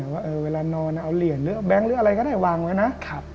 ว่าเวลานอนเอาเหรียญหรือแบงค์หรืออะไรก็ได้วางไว้นะ